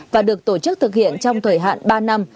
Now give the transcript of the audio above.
và được tổ chức thực hiện trong thời hạn ba năm